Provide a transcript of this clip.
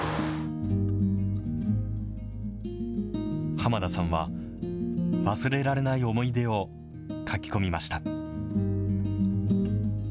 浜田さんは、忘れられない思い出を書き込みました。